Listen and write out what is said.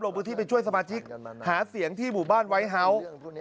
พื้นที่ไปช่วยสมาชิกหาเสียงที่หมู่บ้านไวท์เฮาส์